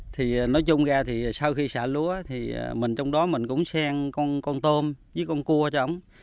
thì nói chung ra thì sau khi xả lúa thì mình trong đó mình cũng sẽ ăn con tôm với con cua cho ổng